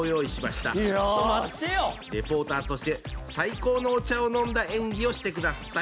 レポーターとして最高のお茶を飲んだ演技をしてください。